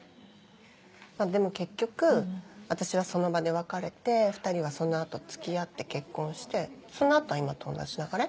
でも結局私はその場で別れて２人はその後付き合って結婚してその後は今と同じ流れ。